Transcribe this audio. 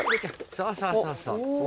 そうそうそうそう。